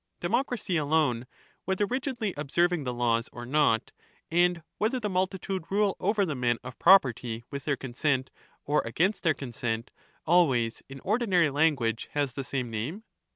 Democracy alone, whether rigidly observing the laws 292 or not, and whether the multitude rule over the men of pro perty with their consent or against their consent, always in ordinary language has the same name.